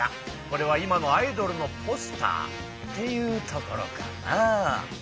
これは今のアイドルのポスターっていうところかな。